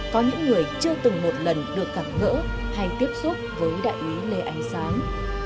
có những người chưa từng một lần được cảm ngỡ hay tiếp xúc với đại úy lê ánh sáng